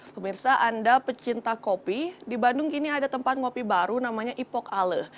pemirsa anda pecinta kopi di bandung kini ada tempat ngopi baru namanya ipok ale